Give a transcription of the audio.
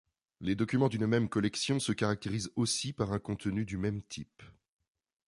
Les documents d’une même collection se caractérisent aussi par un contenu du même type.